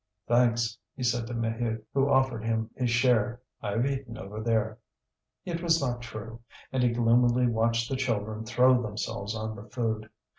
"Thanks," he said to Maheude, who offered him his share; "I've eaten over there." It was not true, and he gloomily watched the children throw themselves on the food.